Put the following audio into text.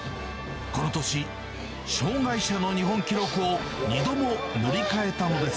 この年、障がい者の日本記録を２度も塗り替えたのです。